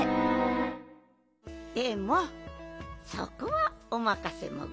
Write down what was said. でもそこはおまかせモグ。